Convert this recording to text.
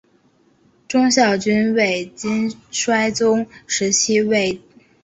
忠孝军为金哀宗时期为抵御蒙古族入侵所建立的军事部队。